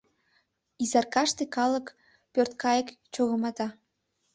Изаркаште калык пӧрткайык чогымата.